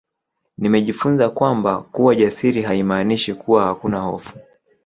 Nimejifunza kwamba kuwa jasiri haimaanishi kuwa hakuna hofu